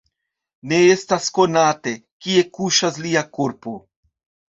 Ne estas konate, kie kuŝas lia korpo.